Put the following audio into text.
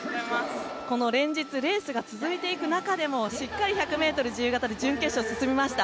この連日レースが続いていく中でもしっかり１００ｍ自由形で準決勝に進みました。